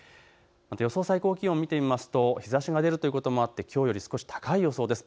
予想最高気温を見てみますと日ざしが出るということもあってきょうより少し高い予想です。